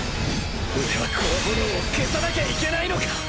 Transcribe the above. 俺はこの炎を消さなきゃいけないのか！